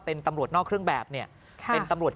เป็นตำรวจนอกเครื่องแบบเนี่ยเป็นตำรวจ